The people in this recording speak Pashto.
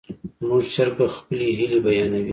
زموږ چرګه خپلې هیلې بیانوي.